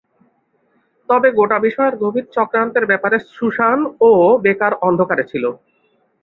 তবে গোটা বিষয়ের গভীর চক্রান্তের ব্যাপারে সুসান ও বেকার অন্ধকারে ছিল।